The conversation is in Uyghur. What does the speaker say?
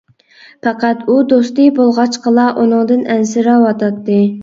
پەقەت ئۇ دوستى بولغاچقىلا ئۇنىڭدىن ئەنسىرەۋاتاتتى.